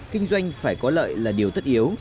kinh doanh phải có lợi là điều tất yếu